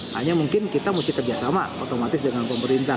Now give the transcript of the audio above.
hanya mungkin kita mesti kerjasama otomatis dengan pemerintah